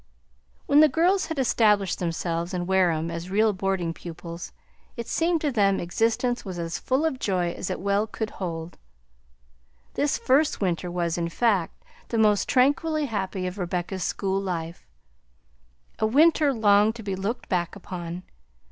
When the girls had established themselves in Wareham as real boarding pupils, it seemed to them existence was as full of joy as it well could hold. This first winter was, in fact, the most tranquilly happy of Rebecca's school life, a winter long to be looked back upon.